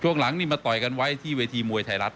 ช่วงหลังต่อยกันไว้ที่เวทีมวยไทยรัฐ